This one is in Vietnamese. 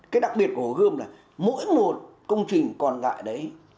cái đặc biệt của hồ gươm là mỗi một công trình còn lại đấy